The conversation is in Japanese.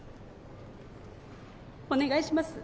お願いします。